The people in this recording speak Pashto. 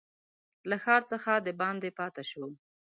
له ښار څخه دباندي پاته شو.